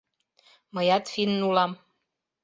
— Мыят финн улам.